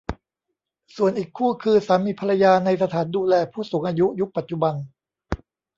ส่วนอีกคู่คือสามีภรรยาในสถานดูแลผู้สูงอายุยุคปัจจุบัน